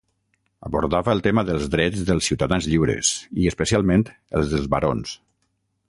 Abordava el tema dels drets dels ciutadans lliures i, especialment els dels barons.